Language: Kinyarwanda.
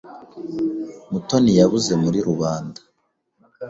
Mutoni yabuze muri rubanda.